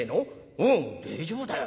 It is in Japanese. おお大丈夫だよ。